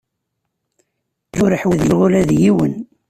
Ur ḥwajeɣ ula d yiwen.